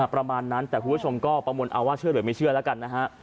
ประมาณนั้นแต่คุณผู้ชมก็ประมวลเอาว่าเชื่อหรือไม่เชื่อแล้วกันนะฮะ